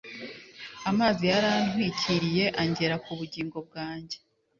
Amazi yarantwikiriye angera kubugingo bwanjye